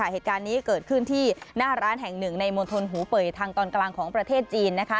เหตุการณ์นี้เกิดขึ้นที่หน้าร้านแห่งหนึ่งในมณฑลหูเป่ยทางตอนกลางของประเทศจีน